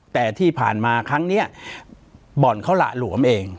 แต่ที่ผ่านมาครั้งนี้บ่อนเขาหละหลวมเอง